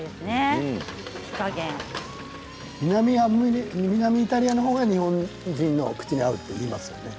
南イタリアの方が日本人の口に合うと言いますよね。